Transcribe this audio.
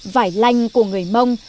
vải lanh của người mông